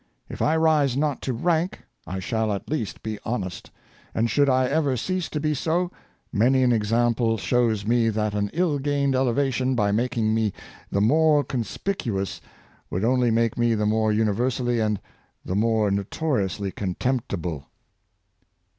If I rise not to rank, I shall at least be honest; and should lever cease to be so, many an example shows me that an ill gained elevation, by making me the more conspicu ous, would only make me the more universally and the more notoriously contemptible."